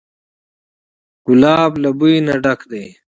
ګلاب له بوی نه ډک دی.